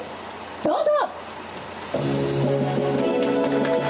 どうぞ。